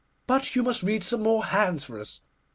'But you must read some more hands for us.